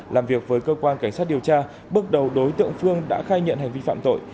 làm việc với cơ quan cảnh sát điều tra bước đầu đối tượng phương đã khai nhận hành vi phạm tội